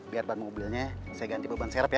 biar ban mobilnya saya ganti beban serap ya